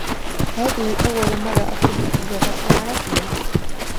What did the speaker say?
هذه أول مرة أكتب باللغة العربية.